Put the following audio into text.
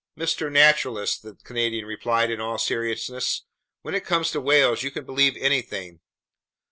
"Mr. Naturalist," the Canadian replied in all seriousness, "when it comes to whales, you can believe anything!